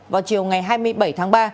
vào chiều ngày hai mươi bảy tháng ba